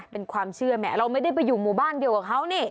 เป็นความเชื่อแหมเราไม่ได้ไปอยู่หมู่บ้านเดียวกับเขานี่